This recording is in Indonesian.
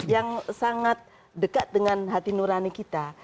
yang sangat dekat dengan hati nurani kita